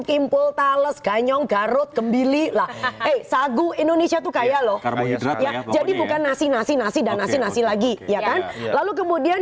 timbul tales kanyong garut kembili lah eh sagu indonesia tuh kaya loh jadi bukan nasi nasi nasi dan